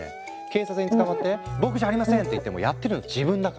警察に捕まって「ボクじゃありません！」って言ってもやってるの自分だから。